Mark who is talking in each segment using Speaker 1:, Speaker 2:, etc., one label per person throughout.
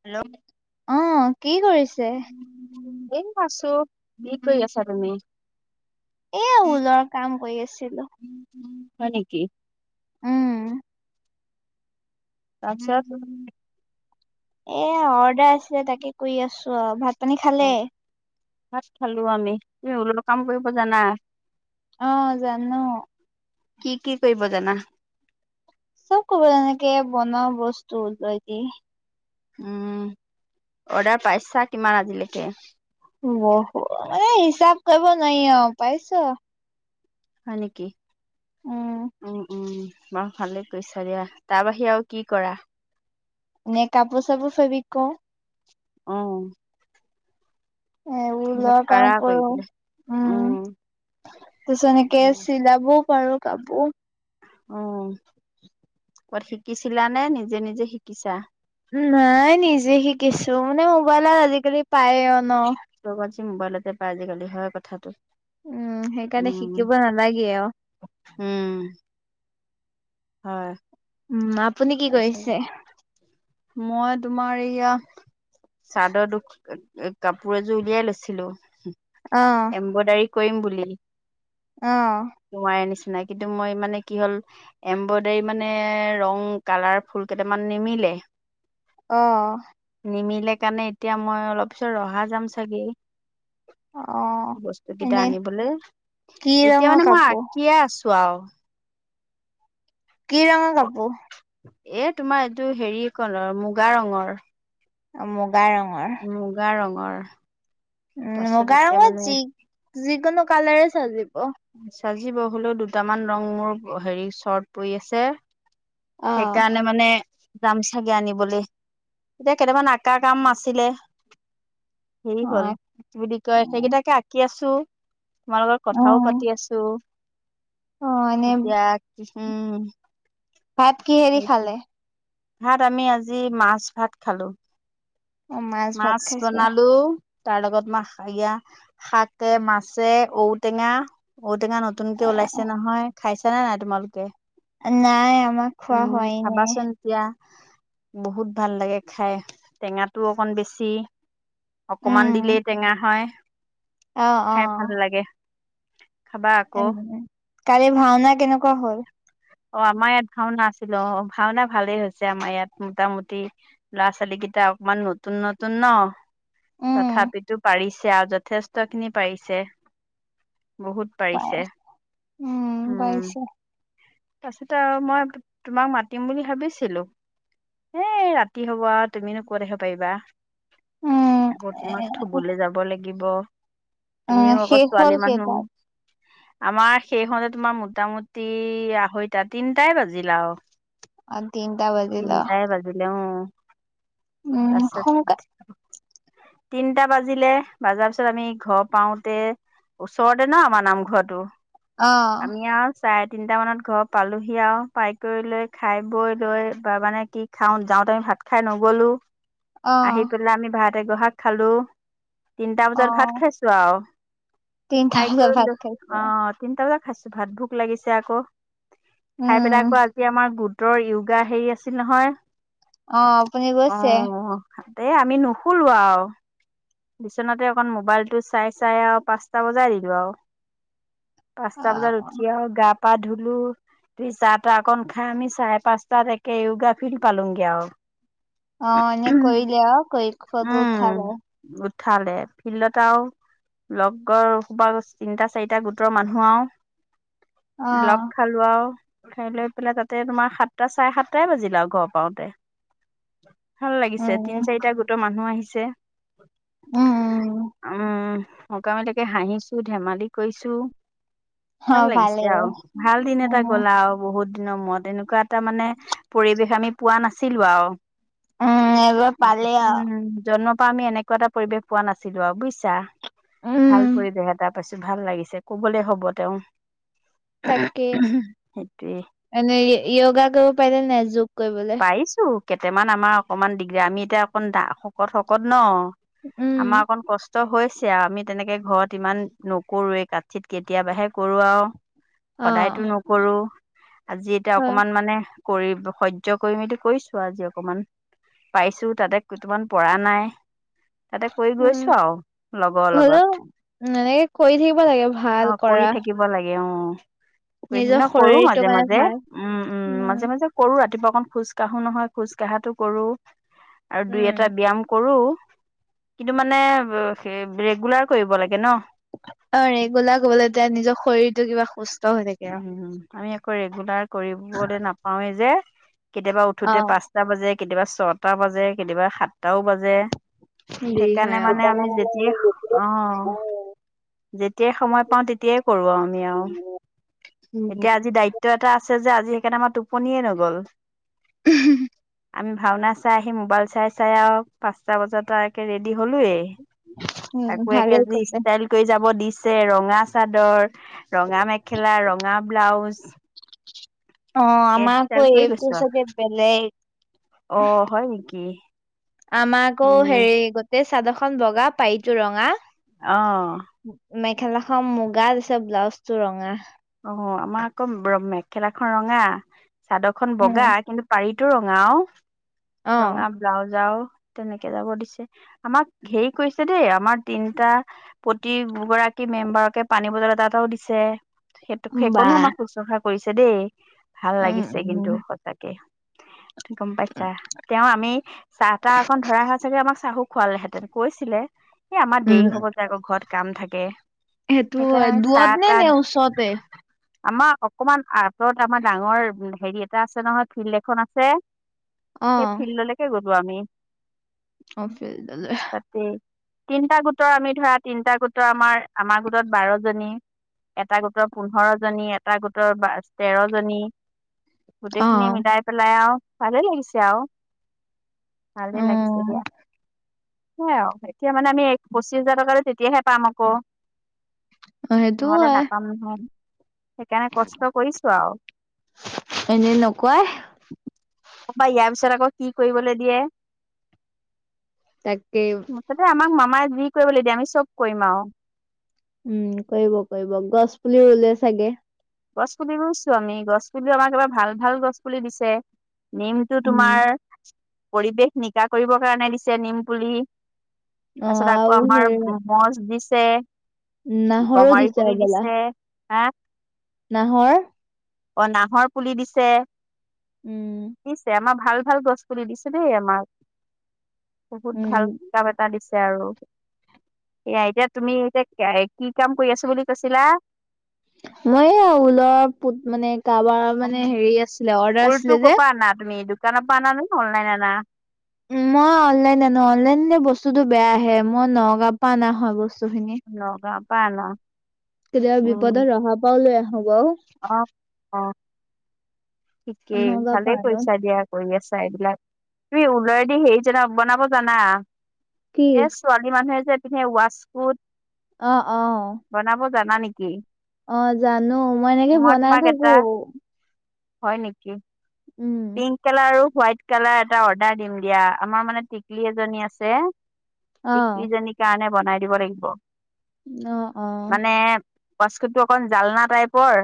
Speaker 1: Hello!
Speaker 2: অ কি কৰিছে?
Speaker 1: এই আছো। কি কৰি আছা তুমি?
Speaker 2: এয়া ঊলৰ কাম কৰি আছিলো।
Speaker 1: হয় নেকি?
Speaker 2: উম।
Speaker 1: আচ্ছা
Speaker 2: এ অৰ্ডাৰ আছিলে তাকে কৰি আছো অ ভাত আপোনী খালে?
Speaker 1: ভাত খালো আমি। তুমি ঊলৰ কাম কৰিব জানা?
Speaker 2: অ জানো
Speaker 1: কি কি কৰিব জানা?
Speaker 2: চব কৰিব জানো তেনেকে বনোৱা বস্তু ঊলে দি।
Speaker 1: উম অৰ্ডাৰ পাইছা কিমান আজিলৈকে?
Speaker 2: বহু মানে হিচাপ কৰিব নাই অ পাইছ
Speaker 1: হয় নেকি
Speaker 2: উম
Speaker 1: উম উম বৰ ভালে কৰিৈছা দিয়া তাৰ বাহিৰে আৰু কি কৰা
Speaker 2: নে কাপো চব ফেব্ৰিক
Speaker 1: আহ
Speaker 2: এবোৰ লোৱা
Speaker 1: পাৰা
Speaker 2: কাম কৰো
Speaker 1: কৰিবলে
Speaker 2: উম তাৰিছত এনেকে চিলাবু পাৰ কাবো
Speaker 1: উ ক'াত শিকিছিলা নে নিজে নিজে শিকিছা
Speaker 2: নাই নিজে শিকিছো মানে মোবাইলত আজিকালি পায় ন
Speaker 1: লগত মোবাইলতে পাই আজিকালি হয় কথাটো
Speaker 2: উম সেইকাৰণে
Speaker 1: উম।
Speaker 2: শিকিব নালাগে আৰু
Speaker 1: [inaudible] হয়
Speaker 2: উম আপুনি কি
Speaker 1: তাৰপিছত
Speaker 2: কৰিছে
Speaker 1: মই তোমাৰ এইয়া চাদৰ দুখ কাপোৰ এযোৰ উলিয়াই লৈছিলো এম্ব্ৰইডাৰী কৰিম বুলি
Speaker 2: আহ
Speaker 1: নিচিনাকন্তু মই মানে কি হ'ল এম্ব্ৰইডাৰী মানে ৰং কালাৰ ফুল কেইটামান নিমিলে
Speaker 2: আহ
Speaker 1: নিমিলে কাৰণে এতিয়া মই অলপ পিছত ৰহা যাম চাগে
Speaker 2: অ'।
Speaker 1: বস্তু কেইটা
Speaker 2: এনে
Speaker 1: আনিবলৈ
Speaker 2: কি
Speaker 1: এতিয়া
Speaker 2: ৰঙৰ
Speaker 1: মানে মই
Speaker 2: কাপোৰ?
Speaker 1: আঁকিয়ে আছো চোৱাও
Speaker 2: কি ৰঙৰ কাপোৰ
Speaker 1: এ তোমাৰ এইটো হেৰি কৰ মুগা ৰঙৰ
Speaker 2: অ গাই ৰঙৰ
Speaker 1: ুমাৰ
Speaker 2: উম মই গঙত য যিকোনো কালৰে চাজিব অ
Speaker 1: চাজি বহলেও দুটামান ৰং মোৰ হেৰি চৰ্ট পৰি আছে
Speaker 2: অ',
Speaker 1: সেইকাৰণে মানে যাম চাগে আনিবলৈ এতিয়া কেইটামান আকা কাম আাছিলে হেৰি হ'ল
Speaker 2: অ',
Speaker 1: বুলি কয়
Speaker 2: উম।
Speaker 1: সেইকেইটাকে আঁকি আছো তোমাৰ লগৰ কথাও পাতি আছো
Speaker 2: অ', এনে
Speaker 1: এতিয়া উম,
Speaker 2: ভাত কি হেৰি খালে?
Speaker 1: ভাত আমি আজি মাছ ভাত খালো।
Speaker 2: অ', ভাত
Speaker 1: মাছ
Speaker 2: খাইছে।
Speaker 1: বনালো। তাৰ লগত ময়া শাকে মাছে ঔটেঙা ঔ টো নতুনক কে ওলাইছে নহয় খাইছে। চে নে নাই তোমালোকে।
Speaker 2: নাই, ম খোৱা
Speaker 1: উম
Speaker 2: হোৱাই নাই।
Speaker 1: খাবাচোন এতিয়া বহুত ভাল লাগে খাই, টেঙাটো অকন বেছি অকমান
Speaker 2: উম,
Speaker 1: দিলেই টেঙা হয়।
Speaker 2: অ',
Speaker 1: খাই ভাল
Speaker 2: অ',
Speaker 1: লাগে। খাবা আকৌ।
Speaker 2: কালিৰ ভাওনা কেনেকুৱা হ'ল।
Speaker 1: অ আমাৰ ইয়াত ভাওনা আছিলো অ ভাওনা ভালেই হৈছে, আমাৰ ইয়াত মোটামুটি ল'ৰা ছোৱালী কেইটা অকমান নতুন-নতুন ন
Speaker 2: উম,
Speaker 1: তথাপিতো পাৰিছে আৰু যথেষ্ট খিনি পাৰিছে। বহুত
Speaker 2: ব
Speaker 1: পাৰিছে
Speaker 2: উম পাৰিছে।
Speaker 1: তাৰ পিচতে আৰু মই তোমাক মাতিম বুলি ভাবিছিলো এ ৰাতি হব আৰু তুমিনো কত আহিব পাৰিবা।
Speaker 2: উম,
Speaker 1: আকৌ
Speaker 2: এ
Speaker 1: তোমাৰ থবলে যাব লাগিব।
Speaker 2: উম,
Speaker 1: তুমিও আকৌ
Speaker 2: শেষ হ'ল
Speaker 1: ছোৱালী মানুহ।
Speaker 2: কেইটাত?
Speaker 1: আমাৰ সেই হতে তোমাৰ মোটামুটি সইটা তিনটাই বাজিলাও।
Speaker 2: অ, তিনটা বাজিল অ',
Speaker 1: তিনটাই বাজিলে উম।
Speaker 2: উম, সোনকাল
Speaker 1: তাৰপাছত তিনটা বাজিলে বজাৰ পিছত আমি ঘৰ পাওঁতে ওচৰতে ন আমাৰ নামঘৰটো।
Speaker 2: অহ।
Speaker 1: আমি আৰু চাৰে তিনটা মানত ঘৰ পালোহি আৰু পাই কৰি লৈ খাই বৈ লৈ। বা মানে কি খাওঁ যাওঁতে আমি ভাত খাই নগলো। আহি
Speaker 2: অ',
Speaker 1: পেলাই আমি ভাত টেগ শাক খালো তিনিটা বজাত ভাত
Speaker 2: অ',
Speaker 1: খাইছো আৰু।
Speaker 2: তিনটা
Speaker 1: খাই
Speaker 2: বজাত ভাত
Speaker 1: কৰিলো
Speaker 2: খাইছে
Speaker 1: অ', তিনিটা বাজাত, খাইছো ভাত ভোক লাগিছে আকৌ। খাই
Speaker 2: উম,
Speaker 1: পেলাই আকৌ আজি আমাৰ গোট। ৰ য়োগা হেৰি আছে। ছিল নহয়।
Speaker 2: অহ ', আপুনি গৈছে?
Speaker 1: এই আমি নুখলো আৰু বিচনাতে অকণ মোবাইলটো চাই- চাই আৰু পাঁচটা বজাই দিলো আৰু। পাঁচটা
Speaker 2: অ',
Speaker 1: বজাত উঠি আৰু গা পা ধুলো দুই চাহ তাহ অকন খাই আমি চাৰে পাঁচটাত। কে য়োগা ফিল্ড পালং গিয়।
Speaker 2: অহ ', এনে কৈ লেও ক ফৰত
Speaker 1: উম
Speaker 2: উঠা গায় [unintelligible]
Speaker 1: উঠালে ফিল্ডত আৰুও লগৰ সব তিনিটা চাৰিটা গোটৰ মানুহ আৰু। লগ
Speaker 2: অ',
Speaker 1: খালো আৰু খাই লৈ পেলাই তাতে তোমাৰ সাতটা চাৰে সাতটাই বাজিলা আৰু ঘৰ পাওতে। ভাল লাগিছে তিন
Speaker 2: উম,
Speaker 1: চাৰিটা গোটৰ মানুহ আহিছে। ছে।
Speaker 2: উম, উম
Speaker 1: উম', সকামিলকে হাঁহিছো ধেমালি কৰিছো।
Speaker 2: অ',
Speaker 1: ভাল লাগিছে
Speaker 2: ভালেই
Speaker 1: আৰু ভাল দিন এটা
Speaker 2: উম,
Speaker 1: গ'লা আৰু বহুত। ন মই তেনেকুৱা। তাৰ মানে পৰিৱেশ আমি পোৱা নাছিলো আৰু।
Speaker 2: উম, এইবাৰ পালে
Speaker 1: উম',
Speaker 2: আৰু
Speaker 1: জন্মৰ পৰা আমি এনেকুৱা এটা পৰিৱেশ পোৱা নাছিলো আৰু বুজিছা। ভাল
Speaker 2: উম,
Speaker 1: পৰিবেশ এটাত পাইছো ভাল লাগিছে কবলৈ হ'ব তেওঁ।
Speaker 2: তাকে
Speaker 1: সেইটোৱে।
Speaker 2: গা কৰিবো পেলে নজুক।
Speaker 1: পাইছো। কেইটামান আমাৰ অকমান দিগদাৰ আমি এতিয়া অকমান দা শকত- শকত ন।
Speaker 2: উম,
Speaker 1: আমাৰ কণ কষ্ট। কষ্ট হৈছে আৰু আমি তেনেকে ঘৰত ইমান নকৰো এই কাঠ চিত কেতিয়াবাহে কৰো আৰু।
Speaker 2: অ',
Speaker 1: সদায়তো নকৰো আজি এতিয়া
Speaker 2: হয়,
Speaker 1: অকমান মানে। কৰি সহ্য। সহ্য কৰি মেলি কৰিছো আজি অকমান পাইছো তাতে কিটোমান পৰা নাই। তাতে কৰি গৈছো
Speaker 2: উম',
Speaker 1: আৰু লগৰ লগত।
Speaker 2: হলেও এনেকে কৰি থাকিব লাগে ভাল কৰা।
Speaker 1: কেঅ'
Speaker 2: নিজৰ
Speaker 1: [unintelligible] কৰো
Speaker 2: শৰীৰটোৰ
Speaker 1: মাজে
Speaker 2: কাৰণে
Speaker 1: মাজে
Speaker 2: ভাল
Speaker 1: উম উম মাজে মাজে কৰো আ ৰাতিপুৱা অকন খোজ কাঢ়ো নহয় খোজ কঢ়টো কৰোঁ। আৰু দুই
Speaker 2: উম
Speaker 1: এটা ব্যায়াম কৰোঁ কিন্তু মানে স ৰেগুলাৰ কৰিব লাগে ন?
Speaker 2: অ ৰেগোলা কবলৈ এতিয়া নিজৰ শৰীৰতটো কিবা সুস্থ হৈ থাকে
Speaker 1: উম উম আমি আকৌ ৰেগুলাৰ কৰিবলৈ নাপাওৱেই যে [inaudible] কেতিয়াবা উঠোতে
Speaker 2: আৰু।
Speaker 1: পাঁচটা বাজে কেতিয়াবা ছটা বাজে কেতিয়াবা সাতটাও বাজে
Speaker 2: হেৰি হয়
Speaker 1: সেইকাৰণে
Speaker 2: অ।
Speaker 1: মানে আমি যেতিয়াই, অহ যেতিয়াই সময় পাওঁ তেতিয়াই কৰোঁ আও আমি আও
Speaker 2: উম।
Speaker 1: এতিয়া আজি দায়িত্ব এটা আছে যে আজি আজি সেইকাৰণে আমাৰ টোপনিয়ে নগ'ল
Speaker 2: [unintelligible]
Speaker 1: আমি ভাওনা চাই আহি মোবাইল চাই চাই আও পাঁচটা বজাতে ৰেডি হলোয়ে,
Speaker 2: উম
Speaker 1: তাকো
Speaker 2: ভালেই
Speaker 1: একেজি
Speaker 2: কৰিলে
Speaker 1: ষ্টাইল কৰি যাব দি ছে ৰঙা চাদৰ ৰঙা মেখেলাৰ ৰ ৰঙা ব্লাউজ
Speaker 2: অঁ
Speaker 1: একে
Speaker 2: আমাকো
Speaker 1: ষ্টাইল কৰি
Speaker 2: এইটো
Speaker 1: গৈছো আৰু।
Speaker 2: চাগে বেলেগ
Speaker 1: অ হয় নেকি
Speaker 2: আমাক আকৌ
Speaker 1: উম
Speaker 2: হেৰি, গোটেই চাদৰখন বগা পাৰিটো ৰঙা,
Speaker 1: অ
Speaker 2: মেখেলাখন মুগা দিছে, ব্লাউজ [unintelligible] ৰঙা
Speaker 1: অঁ আমাৰ আকৌ মেখেলাখন ৰঙা চাদৰ খন
Speaker 2: উম
Speaker 1: বগা কিন্তু পাৰীত টো ৰঙাও
Speaker 2: অ।
Speaker 1: ৰঙা ব্লাওজ আও তেনেকে যাব দিছে, আমাক হেৰি কৰিছে দেই আমাৰ তিনটা প্ৰতি গৰাকী মেম্বাৰকে পানী বটল এটা এটাও দিছে। সেইটোক
Speaker 2: বা
Speaker 1: সেইকনো আমাক শুশ্ৰূষা কৰিছে দেই। ভাল
Speaker 2: উম
Speaker 1: লাগিছে
Speaker 2: উম
Speaker 1: কিন্তু সঁচাকে গম পাইছা, তেওঁ আমি চাহ-তাহ অকন ধৰা হয় চাগে আমাক চাহো খোৱালেহেঁতেন, কৈছিলে এ আমাৰ
Speaker 2: উম
Speaker 1: দেৰি হব যে আকৌ ঘৰত কাম থাকে। তাকে
Speaker 2: সেইটো হয় দোৱৰত নে নে ওচৰত [inaudible]
Speaker 1: আমাৰ অকমান আঁতৰত আমাৰ ডাঙৰ হেৰি এটা আছে নহয় ফিল্ড এখন আছে সেই ফিল্ডলৈকে গ মী
Speaker 2: অফিলডলৈ
Speaker 1: তিনিটা গোটৰ আমি ধৰা তিনিটা গোটৰ আমাৰ আমাৰ গোটত বাৰ জনী এটা গোটৰ পোন্ধৰ জনী এটা গোটৰ বা তেৰ জনী
Speaker 2: অ
Speaker 1: গোটেইখিনি মিলাই পেলাই আৰু ভালে লাগিছেও
Speaker 2: অ
Speaker 1: ভালে লাগিছিল দয়া স এতিয়া মানে আমি এক পঁচিশ হাজাৰ টকাটো তেতিয়াহে পাম আকৌ
Speaker 2: অ সেইটো হয়
Speaker 1: হয় সেইকাৰণে কষ্ট কৰিছো আৰু
Speaker 2: এনেই নকয়
Speaker 1: অ বা ইয়াৰ পিছত আকৌ কি কৰিবলৈ দিয়ে
Speaker 2: তাকেই
Speaker 1: মুঠতে আমাক মামাই কি কৰিবলৈ দিয়া আমি চব কৰিম আৰু
Speaker 2: বুলিুলি ওলে চাগে
Speaker 1: গছ পুলি ৰুইছো আমি গছ পুলিও আমাক এবাৰ ভাল ভাল গছ পুলি দিছে নেমটো
Speaker 2: উম
Speaker 1: তোমাৰ পৰিৱেশ নিকা কৰিবৰ কাৰণে দিছে নিম পুলি
Speaker 2: অ
Speaker 1: তাৰ পিছত আকৌ
Speaker 2: আৰু সেই
Speaker 1: আমাৰ মজ দি [inaudible]
Speaker 2: নাহৰো দিছে অবলা
Speaker 1: হা
Speaker 2: নাহৰ
Speaker 1: অ নাহৰ পুলি দিছে
Speaker 2: উম
Speaker 1: নিশ্চয় আম ভাল ভাল গছ পুলি দিছে দেই আমাক বহুত
Speaker 2: উম
Speaker 1: ভাল কাম এটা দি আৰু সয়া এতিয়া তুমি এতিয়া কি কাম কৰি আছো বুলি কৈছিলা
Speaker 2: মই অলপ মানে কাৰাবাৰ মানে হেৰি আছিলে অৰ্ডাৰ আছিলে যে
Speaker 1: দোকান প ন নাই অননলাইন ন
Speaker 2: উ মই অনলাইন আনো অনলাইন বস্তুতটো বেয়া আহে মই নগা পা নহয় বস্তু ব খিনি
Speaker 1: নগাঁৱৰ পৰা আনা
Speaker 2: কেতিয়াবা বিপদত ৰহা পাওলে
Speaker 1: অহ অহ ঠিকেই
Speaker 2: নগা
Speaker 1: ভালে
Speaker 2: পাৰ ন
Speaker 1: কৰিছা দিয়া কৰি আছা এইবিলাক তুমি উলাই দি হেৰি জন বনাব জানা
Speaker 2: কি
Speaker 1: এহ ছোৱালী মানুহে যে এনে ৱাচকোট
Speaker 2: অহ অহ
Speaker 1: বনাব জানা নেকি?
Speaker 2: অহ জানো মই এনেকে বনাই
Speaker 1: তোমাক
Speaker 2: থাকো
Speaker 1: এটা হয় নেকি
Speaker 2: উম
Speaker 1: পিং কালাৰ আৰু হোৱাইট কালাৰ এটা অৰ্ডাৰ দিম দিয়া আমাৰ মানে টিকলি এজনী আছে টিকিলি জনীৰ কাৰণে বনাই দিব লাগিব
Speaker 2: অহ অহ
Speaker 1: ৱাচকোট অকণ জালনা টাইপৰ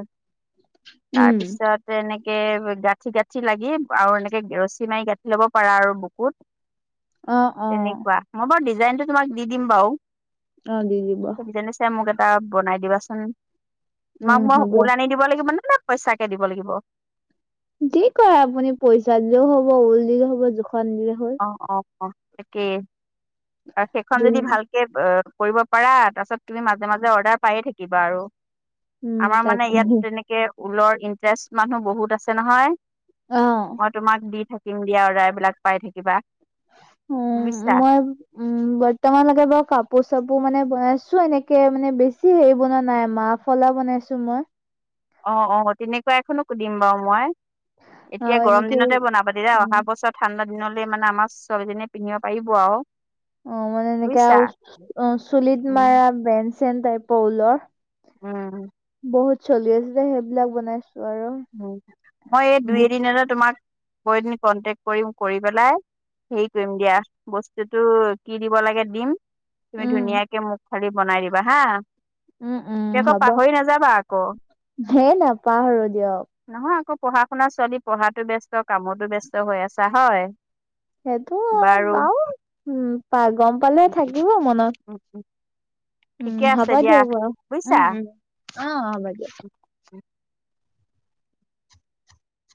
Speaker 2: উম
Speaker 1: তাৰপিছত এনেকে এহ, গাঠি গাঠি গাঠি লাগি আৰু এনেকে ৰছী মাৰি গাঁঠি লব পাৰা আৰু বুকুত
Speaker 2: অ অ
Speaker 1: তেনেকুৱা মই হ'ব দিছো ডিজাইনটো তোমাক দি দিম বাৰু
Speaker 2: অহ দি দিব
Speaker 1: তহ বনাই দিবাচোন মাক
Speaker 2: উম
Speaker 1: মই
Speaker 2: হ'ব
Speaker 1: ঊল আনি দিব লাগিব মানে পইচাকে দিব লাগিব
Speaker 2: কি কৰে আপুনি পইচা দিলেও হ'ব ঊল দিলে হ'ব জোখ
Speaker 1: অহ অহ অহ তাকে সেইখন
Speaker 2: যোন
Speaker 1: যদি ভালকে অহ কৰিব পাৰা তাৰপিছত তুমি মাজে মাজে অৰ্ডাৰ পায়ে থাকিবা আৰু
Speaker 2: উম
Speaker 1: আমাৰ মানে
Speaker 2: তাকে
Speaker 1: ইয়াত তেনেকে ঊলৰ ইণ্টাৰেষ্ট মানুহ বহুত আছে নহয়
Speaker 2: অ
Speaker 1: মই তোমাক দি থাকো [unintelligible] দিয়াৰ্দাৰবিলাক পাই থাকে কিবা
Speaker 2: উম, মই, উম, বৰ্তমানলৈকে বাৰু কাপোৰ চাপোৰ কাপোৰ মানে বনাইছো এনেকে মানে বেছি হেৰি বনোৱা নাই মাহ ফলা বনাইছো মই
Speaker 1: অঁ-অঁ তেনেকুৱা এখনো দিম বাৰু মই। এতিয়া
Speaker 2: আৰু
Speaker 1: গৰম
Speaker 2: এনেকে
Speaker 1: দিনতে বনাবা তেতিতিা
Speaker 2: উম
Speaker 1: অহা বছৰ ঠাণ্ডা দিন মানে আমাৰ ছবলজনেএ পিন্ধিব পাৰিব আৰু।
Speaker 2: অঁ মানে এনেকে
Speaker 1: বুজিছা
Speaker 2: আও চুলিত
Speaker 1: উম
Speaker 2: মাৰা বেঞ্চ চে টাইপ ওলৰ
Speaker 1: উম।
Speaker 2: বহুত চলি আছে যে সেইবিলাক বনাই
Speaker 1: উ' মই এই দুই এদিনৰে তোমাক মইদিন কন্টেকট কৰিম, কৰি পেলাই, হেৰি কৰিম দিয়া, বস্তুতটো কি দিব লাগে দিম তুমি
Speaker 2: উম
Speaker 1: ধুনীয়াকে মুখ চ়ী বনাই দিবা, হা।
Speaker 2: উম উম,
Speaker 1: তুমি আকৌ
Speaker 2: হব,
Speaker 1: পাহৰি নাযাবা আকৌ
Speaker 2: সেই নাপাহৰো। ক দিয় [unintelligible]
Speaker 1: নহয় আকৌ পঢ়া শুনা ছোৱালী পঢ়াতো ব্যস্ত কামতো ব্যস্ত হৈ আছা হয়
Speaker 2: সেইটো
Speaker 1: বাৰু
Speaker 2: আও, উম পা গম পালে থাকিব মনত, উম
Speaker 1: ঠিকে
Speaker 2: হ'ব
Speaker 1: আছে
Speaker 2: দিয়া বাৰু, উ'
Speaker 1: বুজিছা
Speaker 2: অঁ হ'ব দিয়া।
Speaker 1: উম।